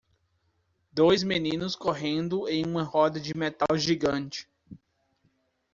Dois meninos correndo em uma roda de metal gigante.